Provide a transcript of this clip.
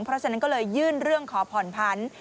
เพราะฉะนั้นก็เลยยื่นเรื่องขอผ่อนพันธุ์